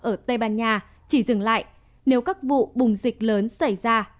ở tây ban nha chỉ dừng lại nếu các vụ bùng dịch lớn xảy ra